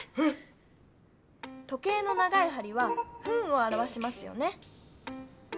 えっ⁉時計の長いはりは「ふん」をあらわしますよね。